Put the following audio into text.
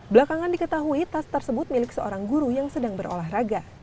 belakangan diketahui tas tersebut milik seorang guru yang sedang berolahraga